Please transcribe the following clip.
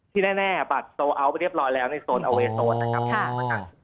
ที่แน่บัตรโทรอัลไปเรียบร้อยแล้วในโซนเอาเวย์โซนนะครับ